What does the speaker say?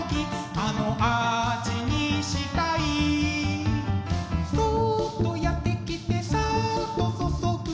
「あの味にしたい」「そーっとやってきてさーっと注ぐと」